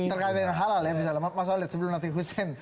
terkait dengan halal ya bisa mas ali sebelum nanti husein